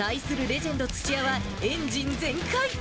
レジェンド土屋は、エンジン全開。